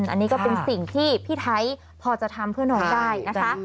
อันนี้ก็เป็นสิ่งที่พี่ไทยพอจะทำเพื่อน้องได้นะคะ